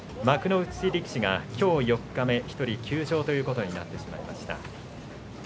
幕内力士がきょう１人、休場ということになってしまいました。